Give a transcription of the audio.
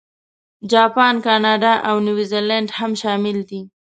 جاپان، کاناډا، او نیوزیلانډ هم شامل دي.